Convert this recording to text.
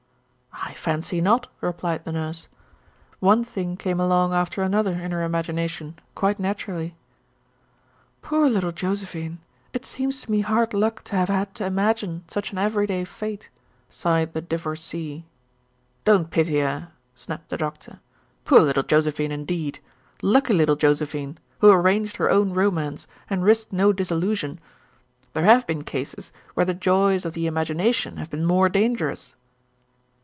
"I fancy not," replied the Nurse. "One thing came along after another in her imagination, quite naturally." "Poor little Josephine it seems to me hard luck to have had to imagine such an every day fate," sighed the Divorcée. "Don't pity her," snapped the Doctor. "Poor little Josephine, indeed! Lucky little Josephine, who arranged her own romance, and risked no disillusion. There have been cases where the joys of the imagination have been more dangerous."